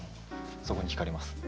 そこにひかれます。